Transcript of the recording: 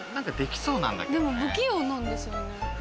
でも不器用なんですよね？